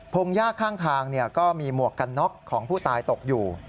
งยากข้างทางก็มีหมวกกันน็อกของผู้ตายตกอยู่